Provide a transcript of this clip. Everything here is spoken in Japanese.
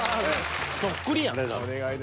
そっくりやん。